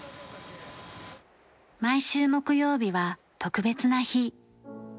毎週木曜日は特別な日。